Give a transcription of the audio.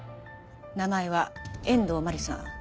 名前は遠藤真理さん。